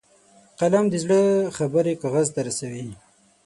قلم د زړه خبرې کاغذ ته رسوي